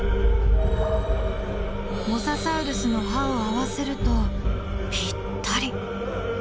モササウルスの歯を合わせるとぴったり。